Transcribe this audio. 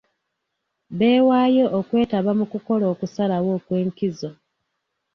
Beewaayo okwetaba mu kukola okusalawo okw'enkizo.